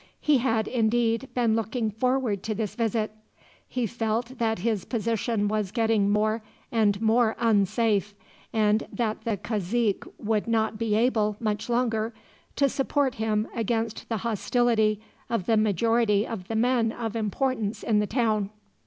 He had, indeed, been looking forward to this visit; for he felt that his position was getting more and more unsafe, and that the cazique would not be able, much longer, to support him against the hostility of the majority of the men of importance in the town.